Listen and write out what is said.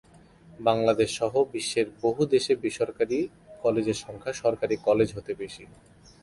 বাংলাদেশ সহ বিশ্বের বহু দেশে বেসরকারি কলেজের সংখ্যা সরকারি কলেজ হতে বেশি।